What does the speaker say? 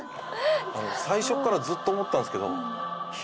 最初からずっと思ってたんですけど。